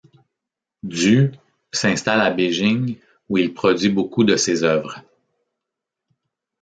Du s'installe à Beijing où il produit beaucoup de ses œuvres.